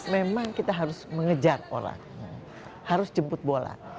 memang kita harus mengejar orang harus jemput bola